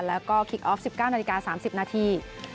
แล้วก็คิกออฟ๑๙นาฬิกา๓๐นาที